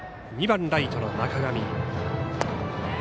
２番、ライトの中上。